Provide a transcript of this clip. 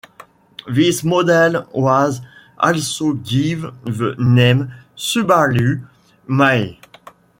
This model was also given the name Subaru Maia.